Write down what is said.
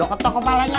lu ketok kepalanya